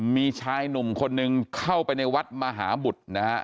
มีชายหนุ่มคนนึงเข้าไปในวัดมหาบุตรนะฮะ